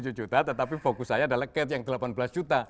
jadi lima puluh tujuh juta tetapi fokus saya adalah cat yang delapan belas juta